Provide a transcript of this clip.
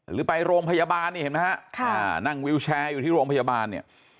หรือไปโรงพยาบาลนี่เห็นไหมฮะนั่งวิวแชร์อยู่ที่โรงพยาบาลเนี่ย